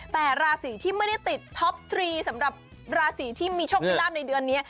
แต่ราศีที่ไม่ได้ติดท็อปทรีสำหรับราศีที่มีโชคมีลาบในเดือนนี้